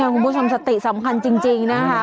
คุณผู้ชมสติสำคัญจริงนะคะ